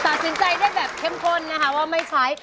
ตัดสินใจได้แบบเข้มข้นนะคะว่าไม่ใช้